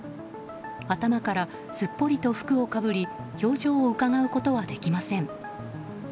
頭からすっぽりと服をかぶり表情をうかがうことはできません。